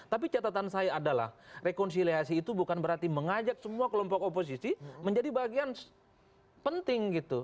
tapi catatan saya adalah rekonsiliasi itu bukan berarti mengajak semua kelompok oposisi menjadi bagian penting gitu